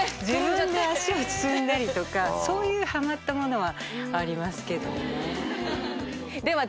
自分で足を包んだりとかそういうハマったものはありますけどね。